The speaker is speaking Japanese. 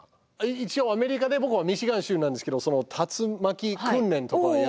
一応アメリカで僕はミシガン州なんですけど竜巻訓練とかやってて。